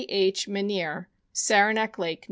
H. Manierre, Saranac Lake, N.